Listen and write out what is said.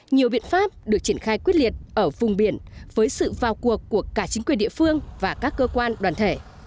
nhiều biện pháp được triển khai quyết liệt ở vùng biển với sự vào cuộc của cả chính quyền địa phương và các cơ quan đoàn thể